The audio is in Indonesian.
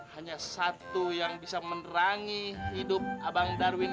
hanya satu yang bisa menerangi hidup abang darwin